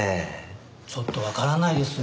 ちょっとわからないです。